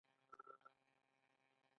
توپک د امن سینه څیرې کوي.